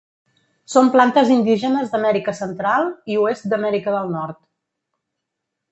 Són plantes indígenes d'Amèrica Central i oest d'Amèrica del Nord.